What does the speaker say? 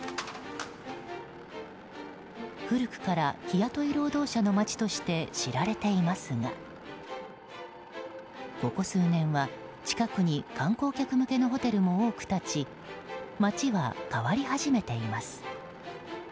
古くから日雇い労働者の町として知られていますがここ数年は近くに観光客向けのホテルも多く建ち街は変わり始めています。